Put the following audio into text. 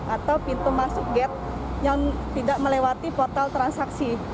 atau pintu masuk gate yang tidak melewati portal transaksi